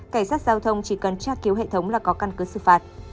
cảnh sát giao thông chỉ cần tra cứu hệ thống là có căn cứ xử phạt